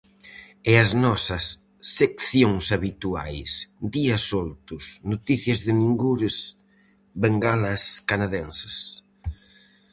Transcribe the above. E as nosas seccións habituais: Días Soltos, Noticias de Ningures, Bengalas Canadenses...